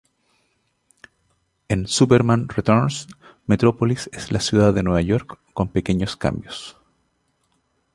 En "Superman Returns", Metropolis es la ciudad de Nueva York con pequeños cambios.